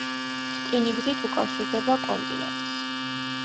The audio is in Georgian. რკინიგზით უკავშირდება კონტინენტს.